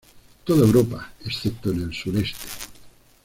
Toda Europa, excepto en el sureste.